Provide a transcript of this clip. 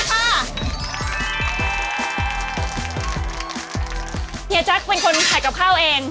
เฮียแจ๊คเป็นคนขายกับข้าวเอง